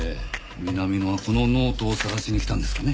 南野はこのノートを探しに来たんですかね。